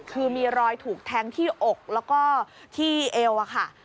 คือมีรอยถูกแทงที่อกแล้วก็ที่เอวอะค่ะ